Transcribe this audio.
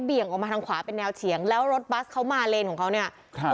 ออกมาทางขวาเป็นแนวเฉียงแล้วรถบัสเขามาเลนของเขาเนี่ยครับ